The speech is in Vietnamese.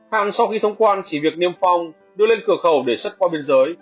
hàng sau khi thông quan chỉ việc niêm phong đưa lên cửa khẩu để xuất qua biên giới